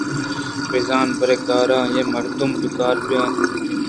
بِہ زاں پرے کارءَ آئیءَمردم پکّار بیت